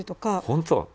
本当？